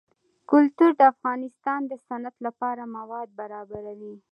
کلتور د افغانستان د صنعت لپاره مواد برابروي.